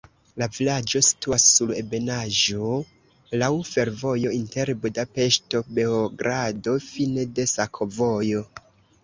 La vilaĝo situas sur ebenaĵo, laŭ fervojo inter Budapeŝto-Beogrado, fine de sakovojo.